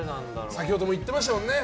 先ほども言ってましたもんね。